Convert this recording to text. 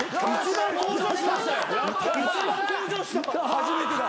初めてだ。